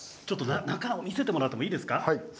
中を見せてもらってもいいですか？